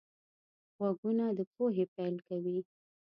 غوږونه د پوهې پیل کوي